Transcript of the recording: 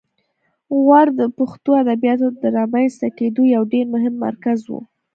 غور د پښتو ادبیاتو د رامنځته کیدو یو ډېر مهم مرکز و